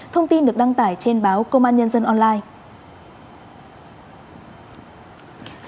thông tin được đăng tải trên báo công an nhân dân online